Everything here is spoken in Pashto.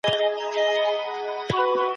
موږ به تل د پوهې په لټه کي یو.